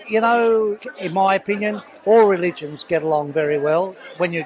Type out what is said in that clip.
anda tahu menurut saya semua agama berjalan dengan baik